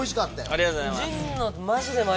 ありがとうございます。